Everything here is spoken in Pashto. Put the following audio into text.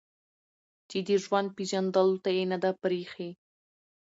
چې د ژوند پېژندلو ته يې نه ده پرېښې